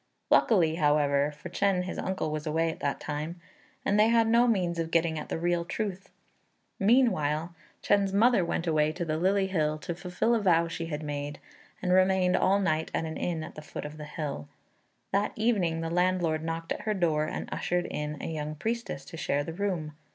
Luckily, however, for Chên his uncle was away at that time, and they had no means of getting at the real truth. Meanwhile, Chên's mother went away to the Lily Hill to fulfil a vow she had made, and remained all night at an inn at the foot of the hill. That evening the landlord knocked at her door and ushered in a young priestess to share the room.